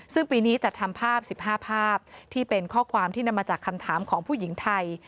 ซึ่งปีนี้จัดทำภาพ๑๕ภาพที่เป็นข้อความที่นำมาจากคำถามของผู้หญิงไทย